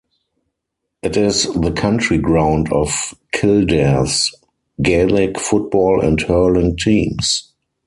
It is the county ground of Kildare's gaelic football and hurling teams.